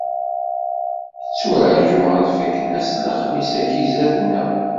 Yetturaǧu ad fakken ass n lexmis-agi sdat-neɣ.